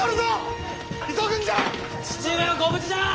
父上はご無事じゃ！